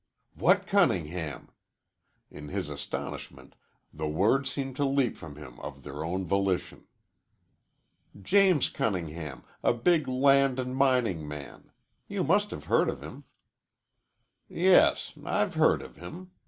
"What Cunningham?" In his astonishment the words seemed to leap from him of their own volition. "James Cunningham, a big land and mining man. You must have heard of him." "Yes, I've heard of him.